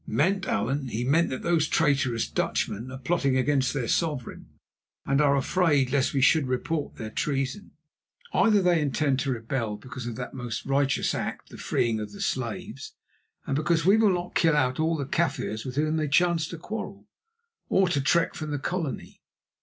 "Meant, Allan? He meant that these traitorous Dutchmen are plotting against their sovereign, and are afraid lest we should report their treason. Either they intend to rebel because of that most righteous act, the freeing of the slaves, and because we will not kill out all the Kaffirs with whom they chance to quarrel, or to trek from the Colony.